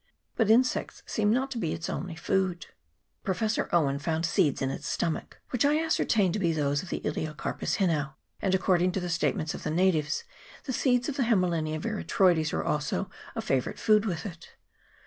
But insects seem not to be its only food. Professor Owen found seeds in its stomach, which I ascer tained to be those of the Elaeocarpus hinau ; and, according to the statements of the natives, the seeds of the Hamelinia veratroides are also a favourite food with it.